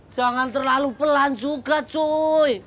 jangan terlalu pelan juga cuy